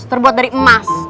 terbuat dari emas